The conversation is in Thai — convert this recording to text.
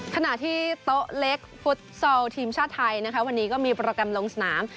ขณะที่โต๊ะเล็กฟุตซอลทีมชาติไทยนะคะวันนี้ก็มีโปรแกรมลงสนาม